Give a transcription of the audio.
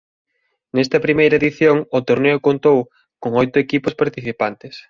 Nesta primeira edición o torneo contou con oito equipos participantes.